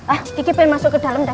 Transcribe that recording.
ah sedikit pengen masuk ke dalam dah